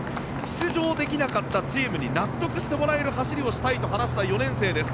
出場できなかったチームに納得してもらえる走りをしたいと話した４年生です。